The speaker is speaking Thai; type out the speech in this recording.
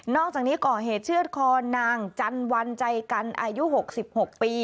อกจากนี้ก่อเหตุเชื่อดคอนางจันวันใจกันอายุ๖๖ปี